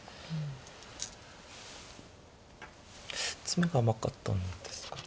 ツメが甘かったんですか？